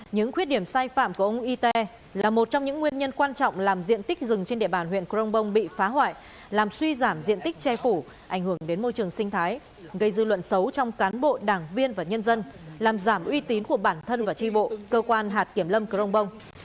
những khuyết điểm sai phạm của ông ite là một trong những nguyên nhân quan trọng làm diện tích rừng trên địa bàn huyện crong bông bị phá hoại làm suy giảm diện tích che phủ ảnh hưởng đến môi trường sinh thái gây dư luận xấu trong cán bộ đảng viên và nhân dân làm giảm uy tín của bản thân và tri bộ cơ quan hạt kiểm lâm crong bông